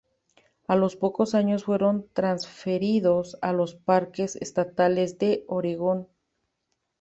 A los pocos años fueron transferidos a los Parques estatales de Oregon.